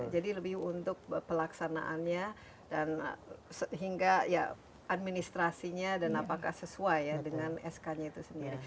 jadi lebih untuk pelaksanaannya dan sehingga administrasinya dan apakah sesuai dengan sk nya itu sendiri